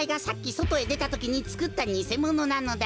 そとへでたときにつくったにせものなのだ。